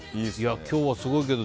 今日はすごいけど。